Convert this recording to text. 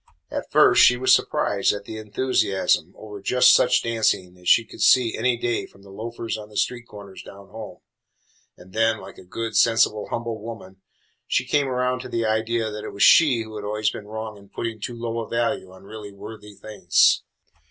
At first she was surprised at the enthusiasm over just such dancing as she could see any day from the loafers on the street corners down home, and then, like a good, sensible, humble woman, she came around to the idea that it was she who had always been wrong in putting too low a value on really worthy things.